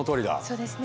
そうですね。